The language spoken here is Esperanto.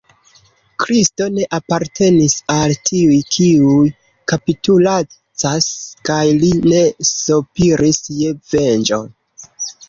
Kristo ne apartenis al tiuj, kiuj kapitulacas, kaj li ne sopiris je venĝo.